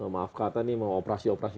maaf kata nih mau operasi operasi